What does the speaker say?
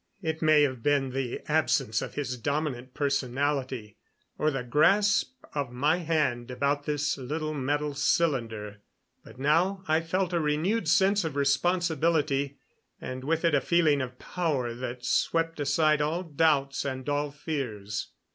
It may have been the absence of his dominant personality, or the grasp of my hand about this little metal cylinder, but now I felt a renewed sense of responsibility, and with it a feeling of power that swept aside all doubts and all fears.